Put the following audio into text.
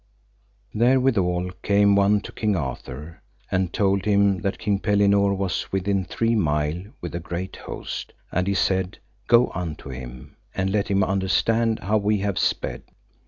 Therewithal came one to King Arthur, and told him that King Pellinore was within three mile with a great host; and he said, Go unto him, and let him understand how we have sped.